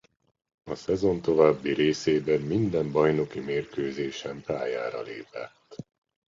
A szezon további részében minden bajnoki mérkőzésen pályára lépett.